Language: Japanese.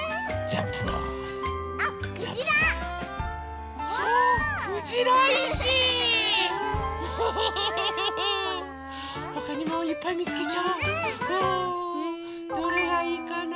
あどれがいいかな？